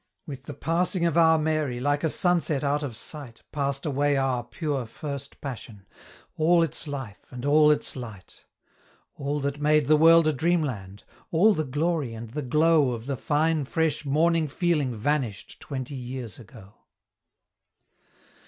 With the passing of our Mary, like a sunset out of sight, Passed away our pure first passion all its life and all its light! All that made the world a dreamland all the glory and the glow Of the fine, fresh, morning feeling vanished twenty years ago.